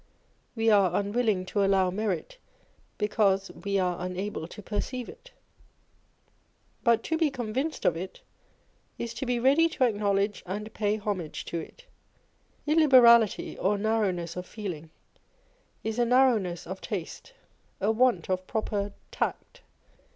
We are unwilling to allow merit, because we are unable to perceive it. But to be convinced of it, is to be ready to acknowledge and pay homage to it. Illibe rally or narrowness of feeling is a narrowness of taste, a want of proper tact.